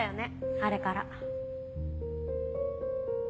あれから。